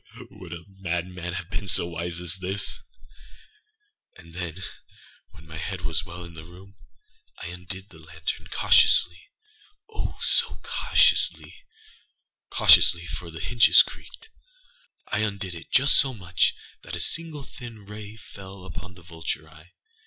Ha!âwould a madman have been so wise as this? And then, when my head was well in the room, I undid the lantern cautiouslyâoh, so cautiouslyâcautiously (for the hinges creaked)âI undid it just so much that a single thin ray fell upon the vulture eye.